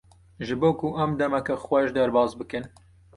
Ji bo ku em demeke xweş derbas bikin.